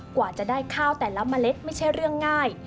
กว่าจะได้ข้าวแต่ละเมล็ดไม่ใช่เรื่องง่าย